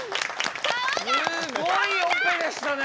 すごいオペでしたね！